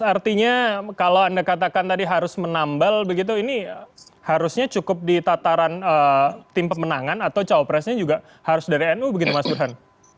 artinya kalau anda katakan tadi harus menambal begitu ini harusnya cukup di tataran tim pemenangan atau cawapresnya juga harus dari nu begitu mas burhan